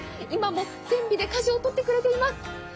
今も船尾でかじを取ってくれています。